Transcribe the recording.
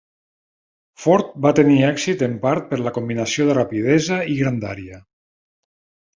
Ford va tenir èxit en part per la combinació de rapidesa i grandària.